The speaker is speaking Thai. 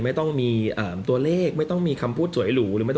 ไม่ต้องมีตัวเลขไม่ต้องมีคำพูดสวยหลู